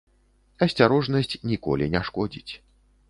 Асцярожнасць ніколі не шкодзіць.